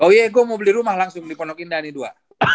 oh iya gue mau beli rumah langsung di ponokinda nih dua